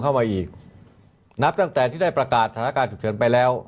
เข้ามาอีกนับตั้งแต่ที่ได้ประกาศสถานการณ์ฉุกเฉินไปแล้ว